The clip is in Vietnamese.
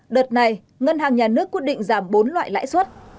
đợt này ngân hàng nhà nước quyết định giảm bốn loại lãi suất